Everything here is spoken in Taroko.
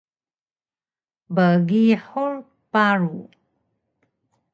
Bgihur paru